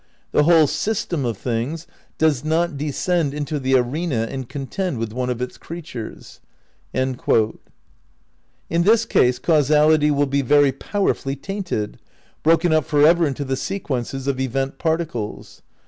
The whole system of thing's does not descend into the arena and con tend with one of its creatures." ' In this case causality will be very powerfully tainted, broken up for ever into the sequences of event particles.